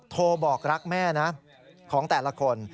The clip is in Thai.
โทรบอกรักแม่นะของแต่ละคน